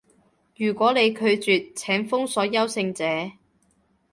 如果你拒絕，請封鎖優勝者